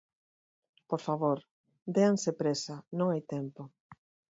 Por favor, déanse présa, non hai tempo.